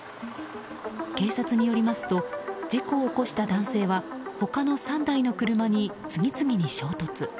警察によりますと事故を起こした男性は他の３台の車に次々に衝突。